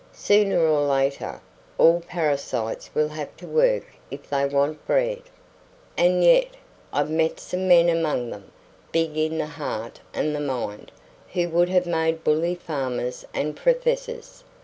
"Sooner or later, all parasites will have to work if they want bread. And yet I've met some men among them, big in the heart and the mind, who would have made bully farmers and professors.